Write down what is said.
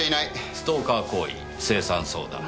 ストーカー行為青酸ソーダ